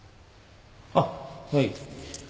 あっはい